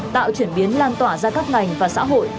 tạo chuyển biến lan tỏa ra các ngành và xã hội